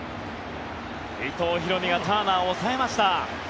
伊藤大海がターナーを抑えました。